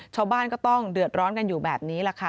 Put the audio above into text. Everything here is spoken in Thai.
ชาวบ้านก็ต้องเดือดร้อนกันอยู่แบบนี้แหละค่ะ